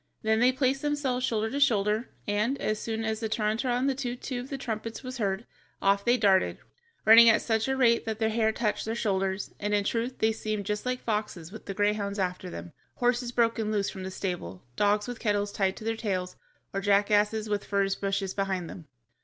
Then they placed themselves shoulder to shoulder, and, as soon as the Tarantará and the Too too of the trumpets was heard, off they darted, running at such a rate that their hair touched their shoulders, and in truth they seemed just like foxes with the greyhounds after them, horses broken loose from the stable, dogs with kettles tied to their tails, or jackasses with furze bushes behind them.